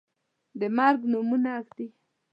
د مرګ نومونه ږدي